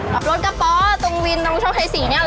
ขับรถกระป๋อตรงวินตรงช่องไข่ศรีเนี่ยเหรอ